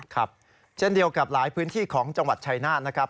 ครับเช่นเดียวกับหลายพื้นที่ของจังหวัดชายนาฏนะครับ